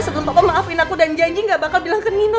setelah pak maafin aku dan janji gak bakal bilang ke nino